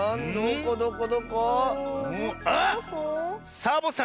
サボさん